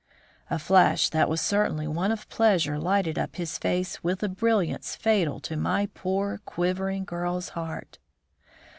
A flash that was certainly one of pleasure lighted up his face with a brilliance fatal to my poor, quivering girl's heart.